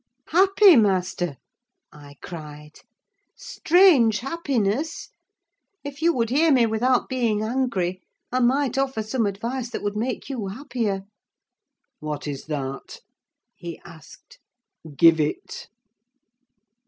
"Happy, master?" I cried. "Strange happiness! If you would hear me without being angry, I might offer some advice that would make you happier." "What is that?" he asked. "Give it."